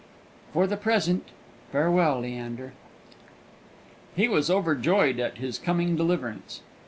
For the present, farewell, Leander!" He was overjoyed at his coming deliverance.